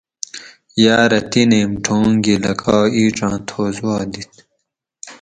یاۤرہ تِینیم ٹھونگ گی لکا اِیڄاں تھوس وا دِیت